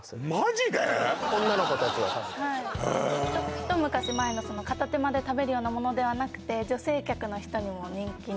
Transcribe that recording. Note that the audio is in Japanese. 一昔前の片手間で食べるものではなくて女性客の人にも人気な。